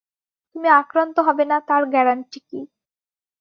তুমি আক্রান্ত হবে না তার গ্যারান্টি কী?